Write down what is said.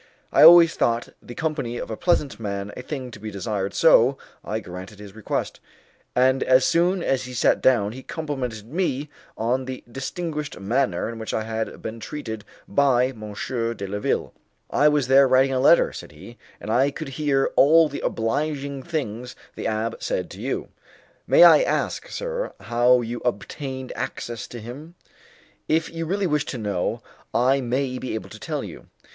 I always thought the company of a pleasant man a thing to be desired, so I granted his request; and as soon as he sat down he complimented me on the distinguished manner in which I had been treated by M. de la Ville. "I was there writing a letter," said he, "and I could hear all the obliging things the abbé said to you. May I ask, sir, how you obtained access to him?" "If you really wish to know, I may be able to tell you."